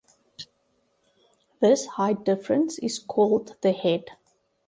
This height difference is called the head.